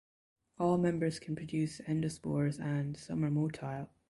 All members can produce endospores and some are motile.